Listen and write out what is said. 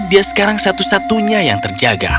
dia sekarang satu satunya yang terjaga